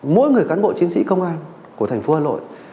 mỗi người cán bộ chiến sĩ công an của thành phố hà nội